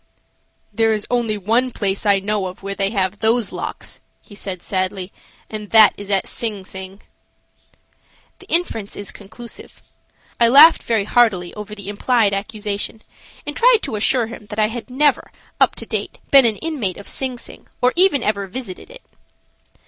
"There is only one place I know of where they have those locks," he said, sadly, "and that is at Sing Sing." The inference is conclusive. I laughed very heartily over the implied accusation, and tried to assure him that I had never, up to date, been an inmate of Sing Sing or even ever visited it.